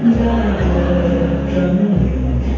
มันกลายเป็นเจอกัน